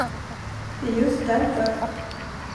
Det är just därför.